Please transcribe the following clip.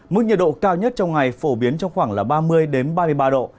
mức nhiệt độ cao nhất trong ngày phổ biến trong khoảng là ba mươi ba mươi ba độ